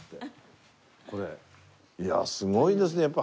いやあすごいですね。